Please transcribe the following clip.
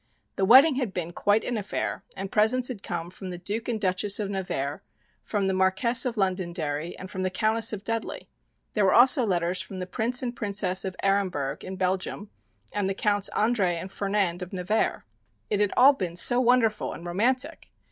The wedding had been quite an affair and presents had come from the Duke and Duchess of Nevers, from the Marchioness of Londonderry and from the Countess of Dudley. There were also letters from the Prince and Princess of Aremberg (in Belgium) and the Counts André and Fernand of Nevers. It had all been so wonderful and romantic!